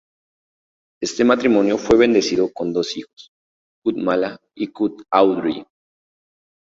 Este matrimonio fue bendecido con dos hijos, Cut Mala y Cut Audrey.